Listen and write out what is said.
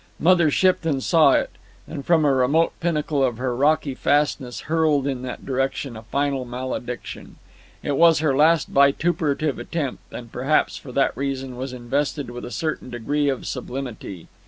Mother Shipton saw it, and from a remote pinnacle of her rocky fastness hurled in that direction a final malediction. It was her last vituperative attempt, and perhaps for that reason was invested with a certain degree of sublimity.